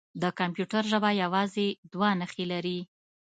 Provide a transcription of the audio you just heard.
د کمپیوټر ژبه یوازې دوه نښې لري.